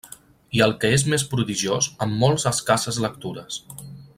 I el que és més prodigiós, amb molt escasses lectures…